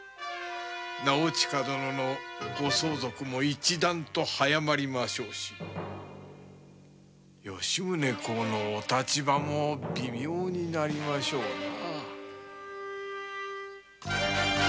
直親殿のご相続も一段と早まりましょうし吉宗公のお立場も微妙になりましょうな。